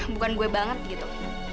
bukan gue banget gitu